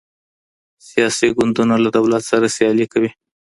سياسي ګوندونه له دولت سره سيالي کوي.